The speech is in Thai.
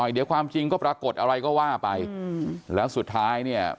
เดี๋ยวความจริงก็ปรากฏอะไรก็ว่าไปแล้วสุดท้ายเนี่ย